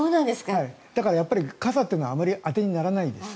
だから、傘というのはあまり当てにならないです。